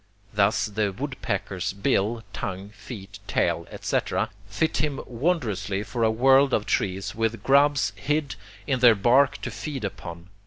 Thus the woodpecker's bill, tongue, feet, tail, etc., fit him wondrously for a world of trees with grubs hid in their bark to feed upon.